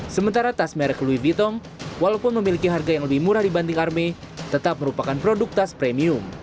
sementara tas merek louis bitong walaupun memiliki harga yang lebih murah dibanding karme tetap merupakan produk tas premium